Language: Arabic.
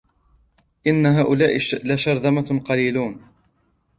إن هؤلاء لشرذمة قليلون